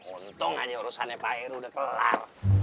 untung hanya urusannya pak heru udah kelar